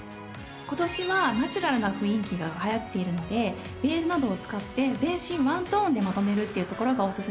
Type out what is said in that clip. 今年はナチュラルな雰囲気が流行っているのでベージュなどを使って全身ワントーンでまとめるっていうところがオススメです。